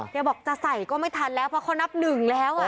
บอกจะใส่ก็ไม่ทันแล้วเพราะเขานับหนึ่งแล้ว